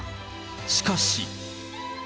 しかし。